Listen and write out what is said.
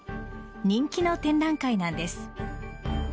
人気の展覧会なんです。